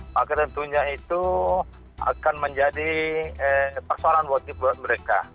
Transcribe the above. maka tentunya itu akan menjadi persoalan wajib buat mereka